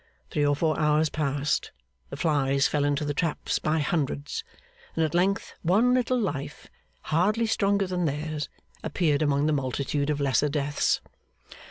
Three or four hours passed; the flies fell into the traps by hundreds; and at length one little life, hardly stronger than theirs, appeared among the multitude of lesser deaths.